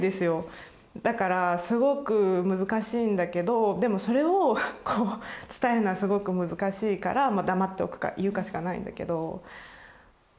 だからすごく難しいんだけどでもそれを伝えるのはすごく難しいから黙っとくか言うかしかないんだけど。